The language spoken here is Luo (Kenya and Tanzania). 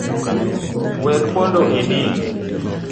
Wek pondo e din.